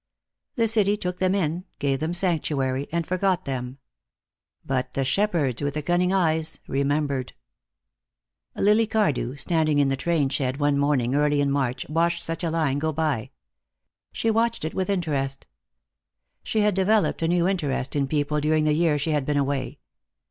The city took them in, gave them sanctuary, and forgot them. But the shepherds with the cunning eyes remembered. Lily Cardew, standing in the train shed one morning early in March, watched such a line go by. She watched it with interest. She had developed a new interest in people during the year she had been away.